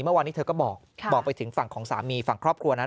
เมื่อวานนี้เธอก็บอกไปถึงฝั่งของสามีฝั่งครอบครัวนะ